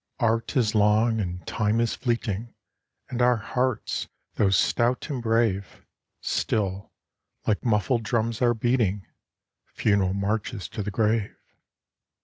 Art is long, and Time is fleeting, And our hearts, though stout and brave, Still, like muffled drums, are beating Funeral marches to the grave.